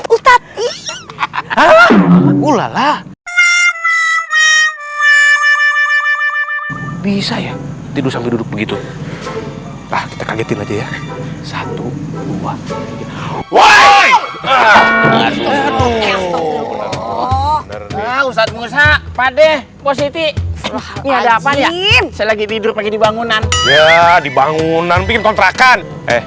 ustadz musa pakde positi ada apa nih lagi tidur di bangunan di bangunan kontrakan